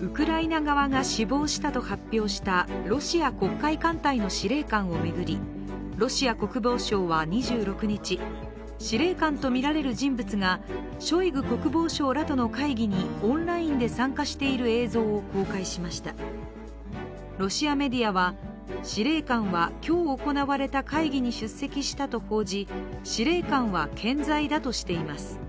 ウクライナ側が死亡したと発表したロシア黒海艦隊の司令官を巡り、ロシア国防省は２６日司令官とみられる人物がショイグ国防相らとの会議にオンラインで参加している映像を公開しましたロシアメディアは司令官は今日行われた会議に出席したと報じ司令官は健在だとしています。